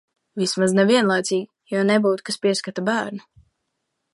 Vismaz, ne vienlaicīgi, jo nebūtu, kas pieskata bērnu.